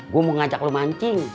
gue mau ngajak lo mancing